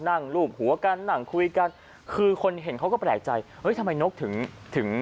รูปหัวกันนั่งคุยกันคือคนเห็นเขาก็แปลกใจเอ้ยทำไมนกถึงถึง